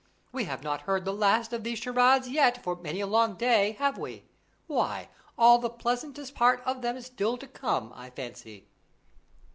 We have not heard the last of these charades yet, for many a long day, have we? Why, all the pleasantest part of them is still to come, I fancy."